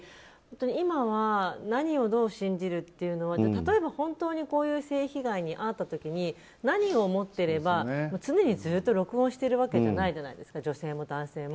今は何をどう信じるっていうのは例えば本当に性被害に遭った時に何を持っていれば常にずっと録音してるわけじゃないじゃないですか女性も男性も。